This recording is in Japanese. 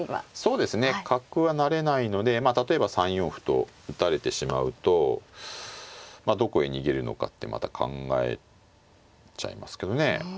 そうですね角は成れないので例えば３四歩と打たれてしまうとどこへ逃げるのかってまた考えちゃいますけどね。